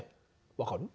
分かる？